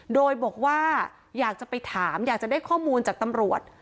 โดยบอกว่าอยากจะไปถามอยากจะได้ข้อมูลจากตำรวจ